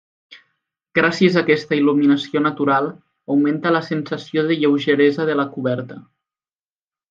Gràcies a aquesta il·luminació natural, augmenta la sensació de lleugeresa de la coberta.